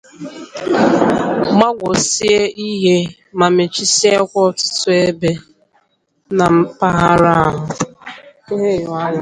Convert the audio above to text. gbagwosie ihe ma mechisiekwa ọtụtụ ebe na mpaghara ahụ.